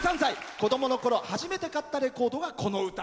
子どものころ初めて買ったレコードがこの歌。